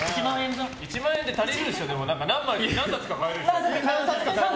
１万円で足りるでしょ何冊か買えるでしょ。